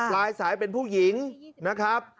ลายสายเป็นผู้หญิงนะครับ